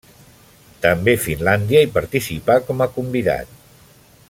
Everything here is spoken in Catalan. També Finlàndia hi participà com a convidat.